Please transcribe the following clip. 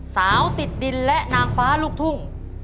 สาวติดดินและนางฟ้าลูกทุ่ง